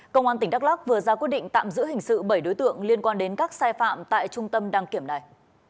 công an tỉnh đắk lắc vừa ra quyết định tạm giữ hình sự bảy đối tượng liên quan đến các sai phạm tại trung tâm đăng kiểm này